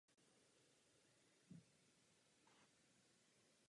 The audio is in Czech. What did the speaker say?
Vytvořil syntézu geometrického tvarosloví spojeného s monumentálním vyjádřením.